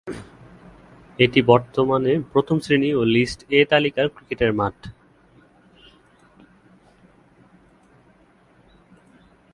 এটি বর্তমানে প্রথম শ্রেনী ও লিস্ট 'এ' তালিকার ক্রিকেটের মাঠ।